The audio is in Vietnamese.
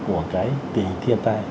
của cái tình thiên tai